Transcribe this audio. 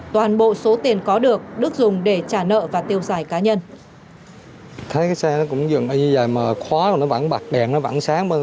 toàn bộ số tiền có được đức dùng để trả nợ và tiêu xài cá nhân